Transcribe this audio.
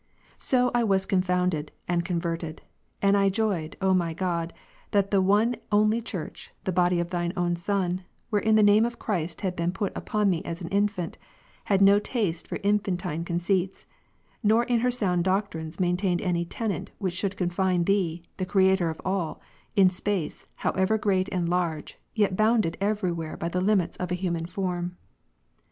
So I was confounded, and converted: and I joyed, O my God, that the One Only Church, the body of Thine Only Son, (wherein the name of Christ had been put upon me as an infant,) had no taste for infantine conceits ; nor in her sound doctrine, maintained any tenet which should confine Thee, the Creator of all, in space, however great and large, yet bounded every where by the limits of a human form.